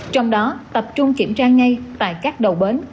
trong đó tập trung kiểm tra ngay tại các đầu bến